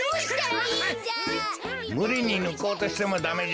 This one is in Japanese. むりにぬこうとしてもダメじゃ。